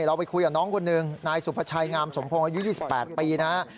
เราไปคุยกับน้องคุณหนึ่งนายสุภชัยงามสมพงศ์ยืน๒๘ปีนะครับ